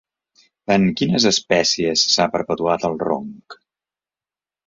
En quines espècies s'ha perpetuat el ronc?